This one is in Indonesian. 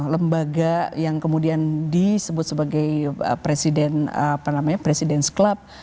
lembaga yang kemudian disebut sebagai presiden club